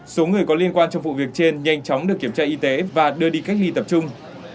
số người có liên quan trong vụ việc trên nhanh chóng được kiểm tra y tế và đưa đi cách ly tập trung